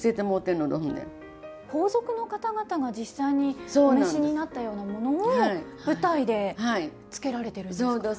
皇族の方々が実際にお召しになったようなものを舞台で着けられてるんですか？